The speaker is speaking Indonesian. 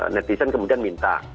netizen kemudian minta